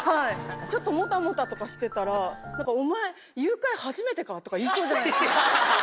ちょっとモタモタとかしてたら「お前誘拐初めてか？」とか言いそうじゃないですか。